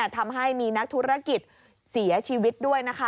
ทำให้มีนักธุรกิจเสียชีวิตด้วยนะคะ